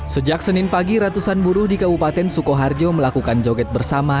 sejak senin pagi ratusan buruh di kabupaten sukoharjo melakukan joget bersama